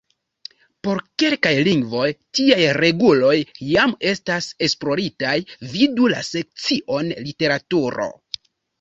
Por kelkaj lingvoj tiaj reguloj jam estas esploritaj, vidu la sekcion "literaturo".